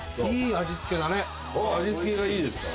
味付けがいいですか？